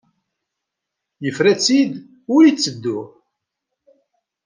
Yefra-tt-id ur itteddu.